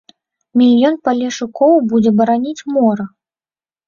Мільён палешукоў будзе бараніць мора.